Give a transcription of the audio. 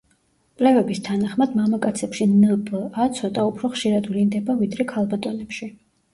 კვლევების თანახმად მამაკაცებში ნპა ცოტა უფრო ხშირად ვლინდება ვიდრე ქალბატონებში.